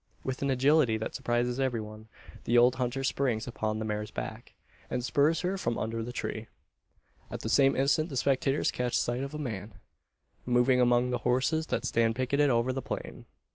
With an agility that surprises every one, the old hunter springs upon the mare's back, and spurs her from under the tree. At the same instant the spectators catch sight of a man, moving among the horses that stand picketed over the plain.